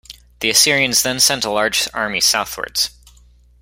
The Assyrians then sent a large army southwards.